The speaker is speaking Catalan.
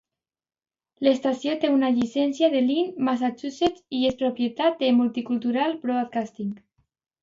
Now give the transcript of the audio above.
L'estació té una llicència de Lynn, Massachusetts, i és propietat de Multicultural Broadcasting.